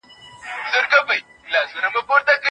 تاسو باید تل تازه خوراکي توکي له بازار څخه وپېرئ.